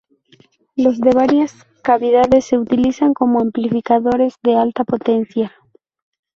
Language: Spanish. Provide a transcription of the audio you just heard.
Los de varias cavidades se utilizan como amplificadores de alta potencia.